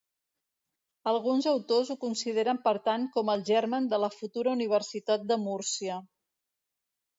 Alguns autors ho consideren per tant com el germen de la futura Universitat de Múrcia.